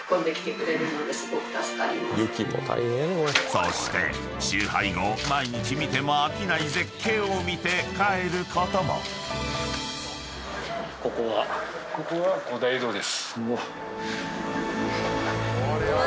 ［そして集配後毎日見ても飽きない絶景を見て帰ることも］うわ！